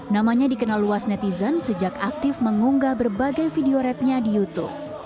namanya dikenal luas netizen sejak aktif mengunggah berbagai video rapnya di youtube